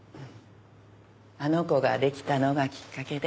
あの子ができたのがきっかけで。